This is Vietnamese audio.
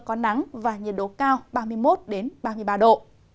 có nắng và nhiệt độ cao ba mươi một ba mươi ba độ